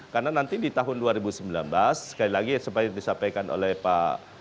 karena nanti di tahun dua ribu sembilan belas sekali lagi yang disampaikan oleh pak